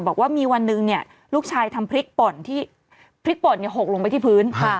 บอกว่ามีวันหนึ่งลูกชายทำพริกป่นที่พริกป่อนหกลงไปที่พื้น